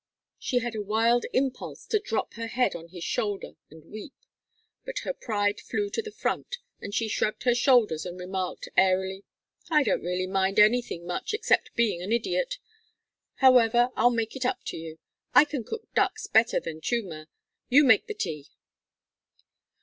She had a wild impulse to drop her head on his shoulder and weep; but her pride flew to the front and she shrugged her shoulders and remarked, airily: "I don't really mind anything much except being an idiot. However, I'll make it up to you. I can cook ducks better than Chuma. You make the tea."